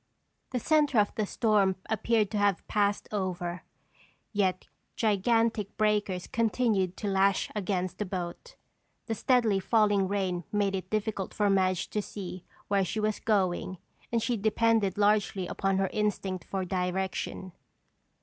The center of the storm appeared to have passed over, yet gigantic breakers continued to lash against the boat. The steadily falling rain made it difficult for Madge to see where she was going and she depended largely upon her instinct for direction.